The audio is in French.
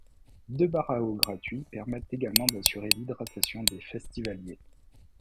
Deux bars à eau gratuits permettent également d'assurer l'hydratation des festivaliers.